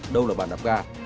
đâu là bàn đạp gà